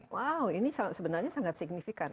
wow ini sebenarnya sangat signifikan